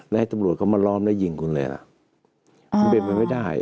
แล้วให้ตำรวจเขามาล้อมแล้วยิงคุณเลยล่ะมันเป็นไปไม่ได้